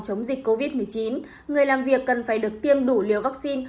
chống dịch covid một mươi chín người làm việc cần phải được tiêm đủ liều vaccine